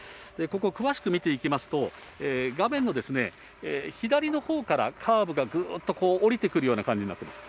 ここ、詳しく見ていきますと、画面の左のほうからカーブがぐーっと下りてくるような感じになっています。